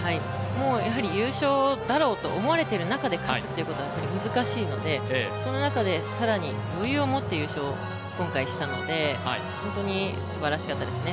やはり優勝だろうと思われてる中で勝つってやっぱり難しいのでその中で更に余裕を持って優勝を今回したので本当にすばらしかったですね。